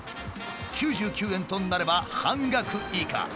９９円となれば半額以下。